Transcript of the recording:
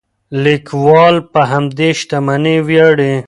لیکوال په همدې شتمنۍ ویاړي.